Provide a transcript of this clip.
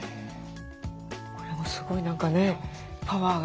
これもすごい何かねパワーが。